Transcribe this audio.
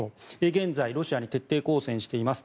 現在ロシアに徹底抗戦しています